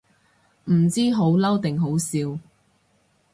唔知好嬲定好笑